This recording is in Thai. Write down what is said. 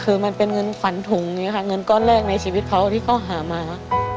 คือมันเป็นเงินขวัญถุงอย่างนี้ค่ะเงินก้อนแรกในชีวิตเขาที่เขาหามา